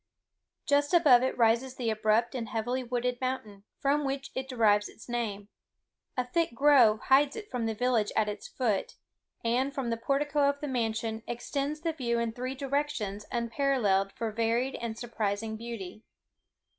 Just above it rises the abrupt and heavily wooded mountain, from which it derives its name; a thick grove hides it from the village at its foot; and, from the portico of the mansion, extend views in three directions unparalleled for varied and surprising beauty.